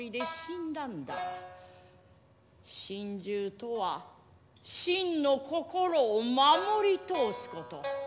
心中とは真の心を守り通すこと。